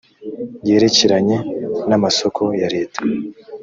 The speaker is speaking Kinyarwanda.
yerekeranye n amasoko ya leta